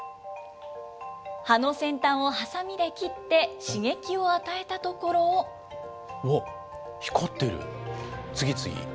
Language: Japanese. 葉の先端をはさみで切って刺激をわっ、光ってる、次々。